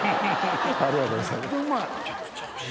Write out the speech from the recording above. ありがとうございます。